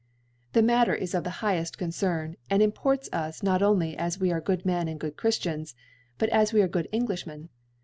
The Mattel is of the higheft Con Ccrn; and imports us not only as we are good Men and good Cbriftians \ but as we are good EngUJhntn.